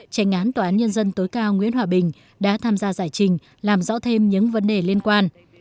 tranh án tòa án nhân dân tối cao nguyễn hòa bình đã tham gia giải trình làm rõ thêm những vấn đề liên quan